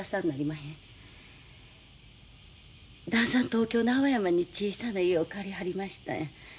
東京の青山に小さな家を借りはりました。